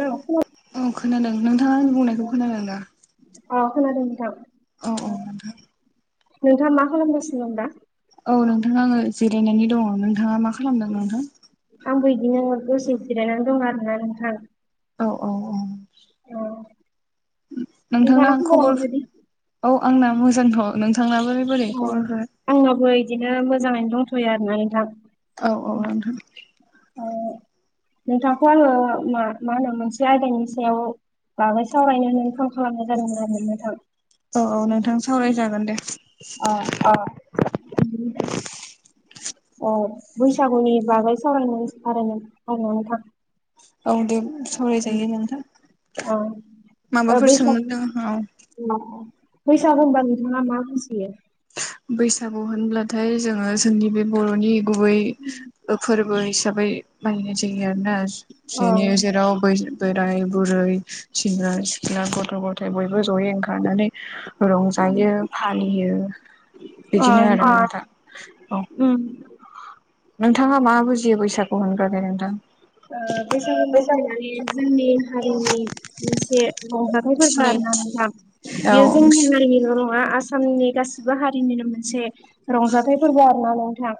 औ खोना औ खोनादों नोंथाङां आंनि बुंनायखौ खोनादों ना अ खोनादों नोंथां औ - औ ओ नोंथाङा मा खालामगासिनो दं दा औ नोंथां आङो जिरायनानै दङ नोंथाङा मा खालामदों नोंथां इदिनो दसे जिरायनानै दं आरोना नोंथां औ औ औ औ नोंथांना खबरा खबर माबायदि? औ आंना मोजांथ' नों अ आंनाबो इदिनो मोजाङैनो दंथ'यो आरो ना नोंथां औ औ [inaudible] नोंथांखौ आङो मा मा होनो मोनसे आयदानि सायाव बागै सावरायनो नोंथां खालामनाय जादोंमोन आरो नोंथां औ औ नोंथां सावरायजागोन दे। अ औ बैसागुनि बागै सावराय सावराय सावरायनानै थां औ दे सरायजायो नोंथां अ ओ माबाफोर बैसाग सोंनो दोङो औ बैसागु होनबा नोंथाङा मा बुजियो बैसागु होनब्लाथाय जोङो जोंनि बे बर'नि गुबै फोरबो हिसाबै मानिनाय जायो ना औ जेने जेराव बै बोराइ बुरै सेंग्रा सिख्ला गथ' गथाय बयबो जयै ओंखारनानै रंजायो फालियो अ बिदिनो आरो नोंथां ओ औ उम नोंथाङा मा बुजियो बैसागु होनग्रो नोंथां बैसागु मोथायनानै जोंनि हारिनि मोनसे रंजाथाइ फोरबो आरो सिनायथि ना औ बेयो जोंनि हारिल' नङा आसाम आसामनि गासिबो हारिनिनो मोनसे रंजाथाइ फोरबो आरो ना नोंथां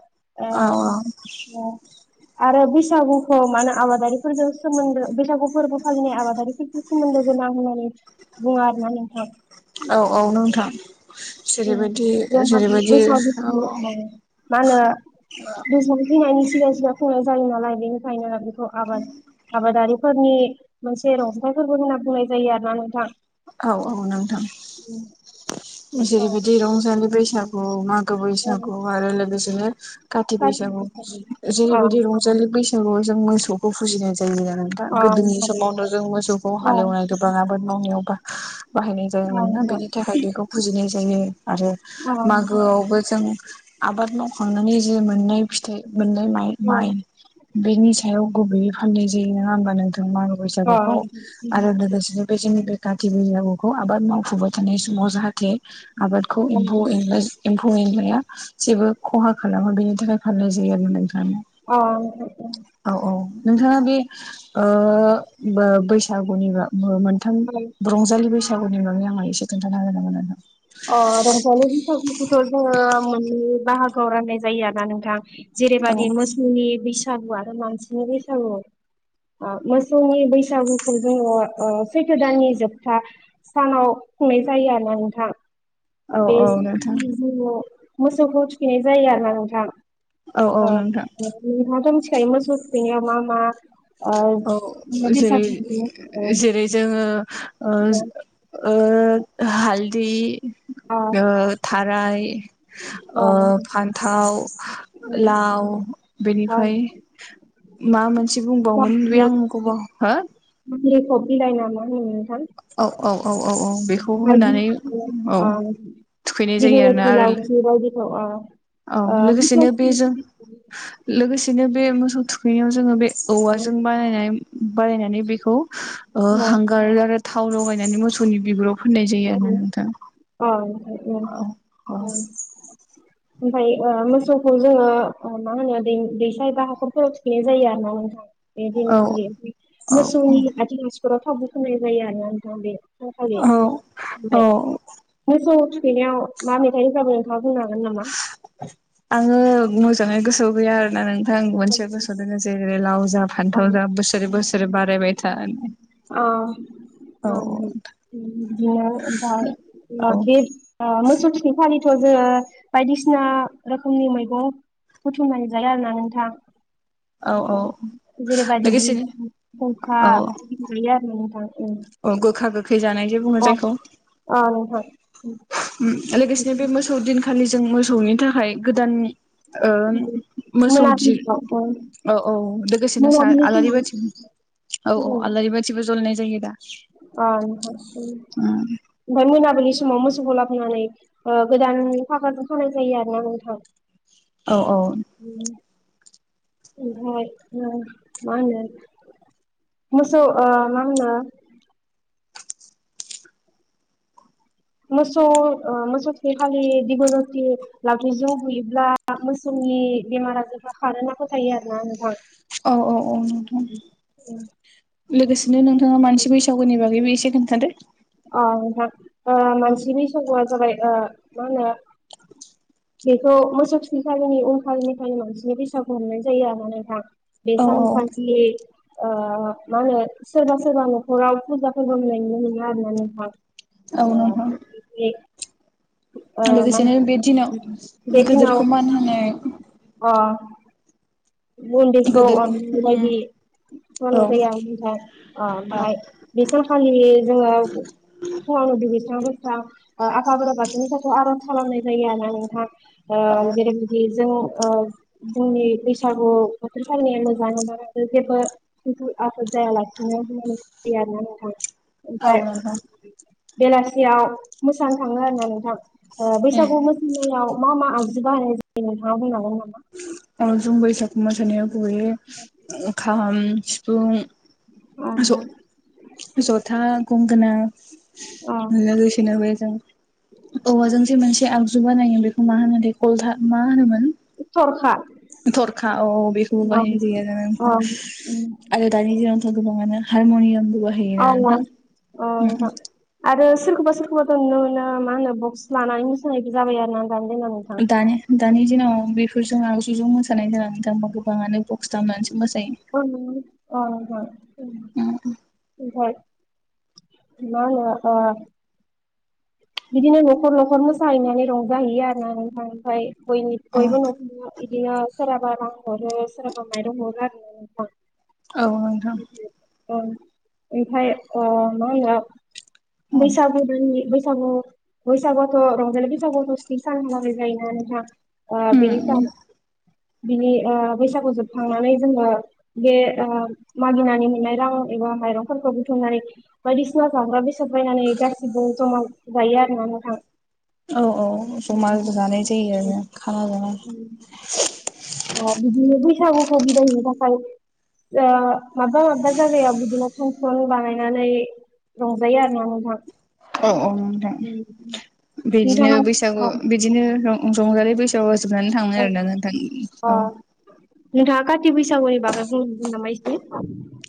ओ औ ओ आरो बैसागुखौ मानो आबादारिफोरजों सोमोन्दो बैसागु फोरबो फालिनाय आबादारिफोरजों सोमोन्दो गोनां होननानै बुङो आरो ना नोंथां औ औ नोंथां जेरैबायदि जोंहा जेरैबायदि बेसाद औ बस्थु मा होनो बेसब गिनायनि सिगां सिगां खुंनाय जायो नालाय बेनिखायनो बेखौ आबाद आबादारि फोरनि मोनसे रंजथाइफोरबो होनना बुंनाय जायो आरो ना नोंथां औ औ नोंथां औ जेरैबायदि रंजालि बैसागु मा औ बैसागु आरो लोगोसेनो काति बैसागु अ जेरैबायदि रंजालि बैसागु औ जों मोसौखौ फुजिनाय जायो जायो नोंथां अ गोदोनि अ समावनो जों मोसौखौ नोंथां हालेवनाय गोबां आबाद मावनायाव बा बाहायनाय जायो अ मोन नोंथां बेनि थाखाय बेखौ फुजिनाय जायो आरो अ मागोआवबो जों आबाद मावखांनानै जे मोननाय फिथाइ मोननाय माइ बेनि सायाव गुबैयै फालिनाय जायो नोङा होमबा नोंथां मागो अ बैसागुखौ आरो लोगोसे बे जोंनि बे काति बैसागुखौ आबाद मावफुबाय थानाय समाव जाहाथे आबादखौ एम्फौ एनला एम्फौ एनलाया जेबो खहा खालामा बेनि थाखाय फालिनाय जायो आरो ना नोंथां अ औ औ नोंथाङा बे ओ बै बैसागुनि बा मोनथाम रंजालि बैसागुनि बागै आङो एसे खोन्थाना होनांगोन आरो अ रंजालि बैसागुखौथ' जोङो मोननै बाहागोआव रानाय जायो आरो ना नोंथां जेरैबायदि औ मोसौनि बैसागु बैसागु आरो मानसिनि बैसागु मोसौनि बैसागुखौ जोङो ओ सैथो दाननि जोबथा सानाव खुंनाय जायो ना नोंथां बे औ औ नोंथां जोंनि जिउवाव मोसौखौ थुखैनाय जायो आरो नोंथां औ औ ओ नोंथां नोंथाङाथ' मिथिखा मिथिखायो मोसौ थुखैनायाव मा मा ओ औ बेसाद जेरै नांगौ। ओ जेरै जोङो ओ ओ हाल्दि आ थाराय ओ फान्थाव लाउ बेनिफ्राय मा मोनसे बुंबावोमोन बे आं गोबाव हो [unintelligible] खब बिलाइ ना मा होनो औ औ औ औ औ बेखौ होनानै औ थुखैनाय जायो आरोना दिगलथि आरो लावथि बायदिखौ औ औ लोगोसेनो बेजों लोगोसेनो बे मोसौ थुखैनायाव जोङो बे औवाजों बानायनाय बानायनानै बेखौ ओ औ हांगार आरो थाव लगायनानै मोसौनि बिगुराव फोननाय जायो आरो नोंथा उ उ ओमफाय ओ मोसौखौ जोङो मा होनो दै दैसा एबा हाखरफोराव थुखैनाय जायो आरो ना नोंथां बे दिनखालि औ मोसौनि आथिं आसुगुराव थावबो फुननाय जायो आरो ना नोंथां बे सानखालि औ औ सौ थुखैनायाव मा मेथाइ मा मेथाइ रोजाबो [unintelligible] नामा? आङो मोजाङै गोसोआव गैया आरो ना नों आं मोनसे गोसो दोङो जेरै लाव जा औ फान्थाव जा बोसोरै बोसोरै बारायबाय थानो होननाय अ [unintelligible] बिदिनो ओमफाय ओ औ बे ओ मोसौ थुखैखालि थ' जोङो बायदिसिना रोखोमनि मैगं बुथुमनानै जायो आरोना नोंथां औ औ जेरैबादि बि लोगोसेनो [unintelligible] फुंखा जायो आरो नोंथां ओं अ गोखा गोखै जानाय जे बुङो जायखौ अ नोंथां उ लोगोसेनो बे मोसौ दिनखालि जों मोसौनि थाखाय गोदान ओ मोसौदि मोनाबिलियाव औ औ लोगोसेनो सार आलारि बाथि औ औ आलारि बाथिबो जलायनाय जायो दा अ नोंथां ओ [unintelligible] नि समाव मोसौखौ लाबोनानै गोदान फागाजों खानाय जायो आरो ना नोंथां औ औ उ ओमफाय मा मा होनो मोसौ ओ मा होनो मोसौ ओ मोसौ थुखैखालि दिगलति लावथिजों बुयोब्ला मोसौनि नि बेमार आजारफ्रा खारो होनना फोथायो आरो ना नोंथां औ औ औ नोंथौ लोगोसे नो नोंथाङा मानसि बैसागुनि बागैबो एसे खोन्थादो अ नोंथां ओ मानसि बैसागुआ जाबाय ओ मा होनो बेखौ मोसौ थुखैखालिनि उनखालिनिफायनो मानसिनि बैसाागु हमनाय जायो आरोना नोंथां औ औ बेसन सानखालि ओ मा होनो सोरबा सोरबा न'खराव फुजाफोरबो होनाय नुनो मोनो आरोना नोंथां औ ओ नोंथां बिदि लोगोसेनो बे दिनाव बे दिनाव गोदोरखौ मान होनाय अ उन्दैखौ गोदोर अन उम बेबायदि औ खालामनाय जायो आरो ना नोंथां अ औ ओमफ्राय बेसोरखालि जोङो फुङावनो दुगैस्रां बोस्रां ओ आफा बोराबाथनि नथाखाय आर'ज खालामनाय जायो ओरोना नोंथा ओ औ जेरैबायदि जों ओ जोंनि बैसागु बोथोर फालिनाया मोजां [unintelligible] जेबो [unintelligible] आफद जायालासिनो [unintelligible] [unintelligible] ना नोंथां औ ओमफ्राय नोंथां बेलासियाव मोसानो थाङो आरो ना नोंथां ओ उम बैसागु मोसानायाव मा मा आगजु बाहायनाय जायो नोंथाङा बुंनो [unintelligible] अ जों बैसागु मोसानायाव गुबैयै खाम अ सिफुं नोंथां ज जथा गंगोनां अ लोगोसेनो बे जों औवाजोंसो मोनसे आग जु [unintelligible] गा नायोन बेखौ मा होनो देथ मा होनोमोन थरखा थरखा औ बिखौ औ बाहायनाजायो आरो औ नोंथां दानि दिनावथ गोबाङानो हारम'नियाम औ औ आरो सोरखौबा सोरखौबाथ' नुनो मोनो बक्स लानानै मोसानायबो जाबाय आरो न दानि दानि दिनाव बेफोरजों आगजुजों मोसानाय जानानै दांबा गोबाङानो बक्स दामनानै मोसा अ अ म अ [inaudible] मा होनो ओ बिदिनो न'खर न'खर मोसाहैनानै रंजाहैयो आरोना नोंथां ओमफ्राय बयबोनि औ बयबो न'खराव इदिनो सोरहाबा रां‌ हरो सोरहाबा माइरं हरो आरो नोंथां औ नोंथां ओं ओमफ्राय ओ मा होनो बैसागु दान बैसागु बैसागुथ' रंजालि बैसागुथ' स्नि सान [inaudible] हांनाय जायोना नोंथा बेनि स बिनि ओ बैसागु जोबखांनानै जोङो बे ओ मागिनानै मोननाय रां एबा माइरंफोरखौ बुथुमनानै बायदिसिना जाग्रा बेसाद बायनानै गासिबो जमा जायो आरोना नोंथां औ औ जमा जानाय जायो आरो खाना जानाय सागुखौ बिदाय होनो थाखाय ओ माबबा माबबा जायगायाव बिदिनो फानस्न बानायनानै बानायनानै रंजायो आरो ना नोंथां औ औ नोंथां बिदिनो नोंथाङा बैसागु बिदिनो रंजालि बैसोआ जोबनानै थाङो आरोना नोंथां अ औ नोंथाङा काथि बैसागुनि बागै बुंहरनो नामा इसे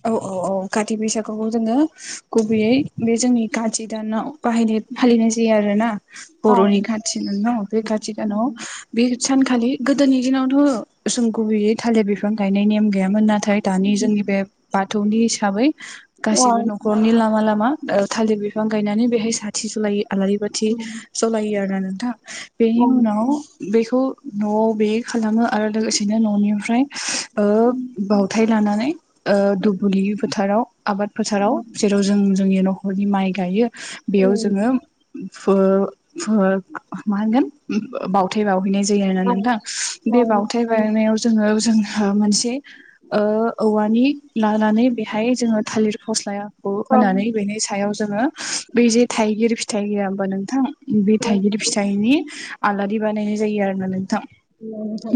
औ औ औ काथि बैसागुखौ जोङो गुबैयै बे जोंनि खाथि दानाव बाहायनाय फालिनाय जायो आरो ना औ बर'नि खाथि दान नाव बे खाथि दानाव बे सानखालि गोदोनि दिनावथ' सम गुबैयै थालिर बिफां गाय नेम गैयामोन नाथाय दा जोंनि बे बाथौनि हिसाबै गासिबो नखरनि लामा लामा लामा थालिर बिफां गायनानै बेहाय सार बाथि जलायो आलारि बाथि जलायो आरोना नोंथां बेनि औ उनाव बेखौ न'आव बे खालामो आरो लोगोसेनो न'निफ्राय ओ बावथाय लानानै ओ दुब्लि फोथाराव आबाद फोथाराव मागं जेराव जों जोंनि न'खरनि माइ गायो बेयाव जोङो फो फो मा होनगोन बावथाय बावहैनाय जायो आरोना अ नोंथां बे बावथाय बावनायाव जोङो जोंहा मोनसे ओ औवानि लानानै बेहाय जोंङो‌ थालिर फस्लायाखौ होनानै ओंखारबाय बेनि सायाव जोङो बै जे थाइगिर फिथाइ फिथाइ होआ होमबा नोंथां बे थाइगिर सिगांथ' फिथाइनि आलारि बानायनाय जायो आरोना नोंथां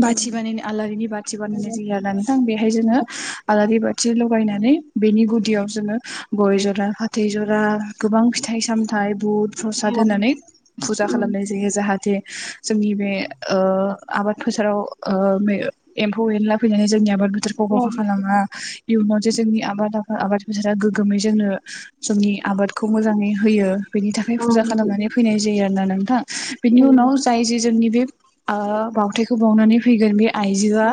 बाथि बानायनाय आलारिनि बाथि बानायनाय जायोआरोना नोंथां बेहाय जोङो आलारि बाथि बायनानै बेनि गुदियाव जोङो गय जरा फाथै जरा आरो गोबां फिथाइ सामथाइ बुथ प्रसाद होनानै फुजा खालामनाय जायो जाहाथे जोंनि बे ओ आबाद फोथाराव ओ एम्फौ एनला फैनानै जोंनि आबाद बोथारखौ खहा खालामा इयुनाव जे जोंनि आबाद आबाद बेफोथाराद गोग्गोमै जोंनो जोंनि आबादखौ मोजाङै होयो बेनि थाखाय फुजा खालामनानै फैनाय जायो आरोना नोंथां बेनि उनाव जाय जे जोंनि बे बावथायखौ बावनानै फैगोन बे आइजोआ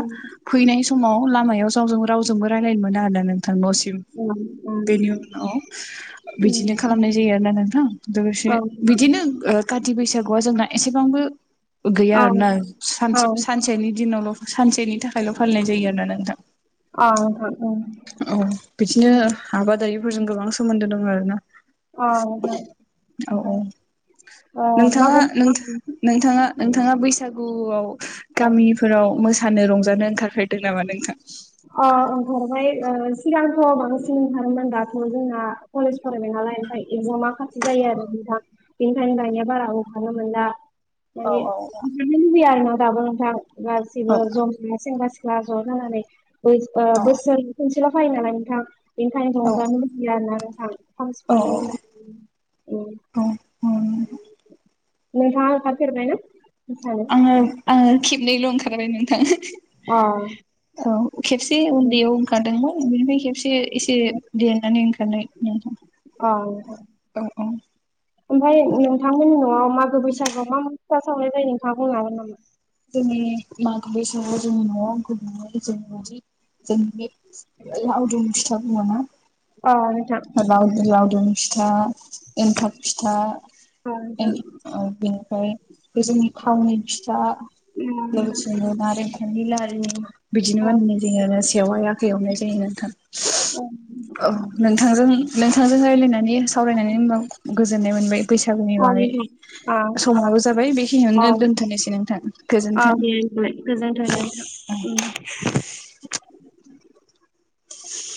फैनाय समाव लामायाव जावजों रावजोंबो रायलायनो मोना आरोना नोंथां नसिम बेनि उनाव बिदिनो खालामनाय जायो आरोना नोंथां लोगोसे बिदिनो ओ काथि बैसागुआ जोंना एसेबांबो गैया आरोना सानसे सानसेनि दिनावल' सानसेनि थाखायल' फालिनाय जायो आरोना नोंथां [inaudible] औ बिदिनो आबादारिफोरजों गोबां सोमोन्दो दं आरोना औ औ नोंथाङाथ नोंथाङा नोंथाङा बैसागुआव गामिफोराव मोसा फानो रंजानो ओंखारफेरदों नामा नोंखा अ ओंखारबाय सिगांथ' बांसिन ओंखारोमोन दाथ' जोंना कलेज फरायबाय नालाय ओमफ्राय एफौ मा खाथि जायो आरो नोंथां बेनिखायनो दानिया बारा ओंखारनो मोनला। औ माने औ नो लुबैया आरो ना दाबो नोंथां गासिबो औ जमसि गै सेंग्रा सिख्ल जा ज' थानानै बै ओ अ बोसोर खनसेल' फायो नालाय नोंथां। बेनिंखायनो औ रंजानो मिथिला न थां खाम औ सिफुं औ नोंथाङा ओंखार फेरबायना? आङो आङो खेबनैल' ओंखारबाय नोंथां। अ औ खेबसे उन्दैयाव ओंखारदोंमोन बेनिफ्राय एसे एसे देनानै ओंखारनाय नोंथां औ औ। ओमफफ्राय नोंथांमोननि न'आव मागो बैसागुआव मा मा फिथा सावनाय जायो नोंथाङा बुंनो हागोन नामा? जोंनि मागो बैसागोआव जोंनि न'आव [inaudible] जोंनि लावदुम फिथा बुङो ना? अ नोंथां लाव लावदुम फिथा एन्थाब फिथा। अ नोंथां अ एनथाब फिथा बेनिफ्राय जोंनि खावनि फिथा [unintelligible] नोंथां नारेंखलनि लारू बिदिनो अ माननाय जोङो सेवहाय आखाइ एवनाय जायो नोंथां। औ नोंथांजों नोंथांजों रायज्लायनाय मे सावरायनानै होनबा गोजोननाय मोनबाय बैसागुनि अ बागै नोंथां समाबो जाबाय बेखिनियावनो अ दोनथ'नोसै नोंथां। औ गोजोनथों दे होनबालाय गोजोनथों नोंथां उम [inaudible]